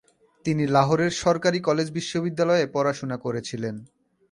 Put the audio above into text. তিনি লাহোরের সরকারী কলেজ বিশ্ববিদ্যালয়ে পড়াশোনা করেছিলেন।